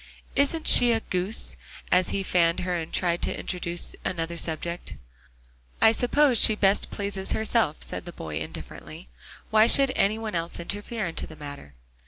"Isn't she a goose?" as he fanned her, and tried to introduce another subject. "I suppose she best pleases herself," said the boy indifferently. "Why should any one else interfere in the matter?"